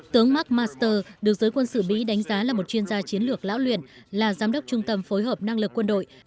tướng mark master được giới quân sự mỹ đánh giá là một chuyên gia chiến lược lão luyện là giám đốc trung tâm phối hợp năng lực quân đội